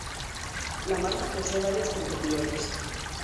La marca posee varios competidores.